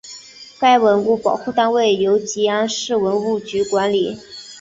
该文物保护单位由集安市文物局管理。